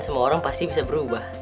semua orang pasti bisa berubah